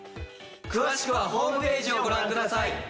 詳しくはホームページをご覧ください。